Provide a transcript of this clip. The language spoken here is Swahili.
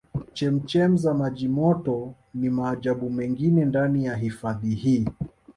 Chemchem za maji moto ni maajabu mengine ndani ya hifadhi hii